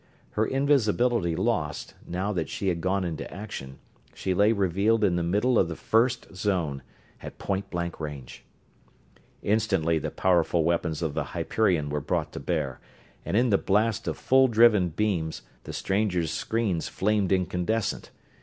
Her invisibility lost, now that she had gone into action, she lay revealed in the middle of the first zone at point blank range. Instantly the powerful weapons of the Hyperion were brought to bear, and in the blast of full driven beams the stranger's screens flamed incandescent.